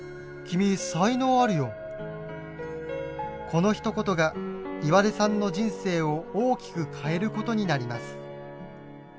このひと言が岩出さんの人生を大きく変えることになります。